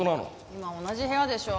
今同じ部屋でしょ？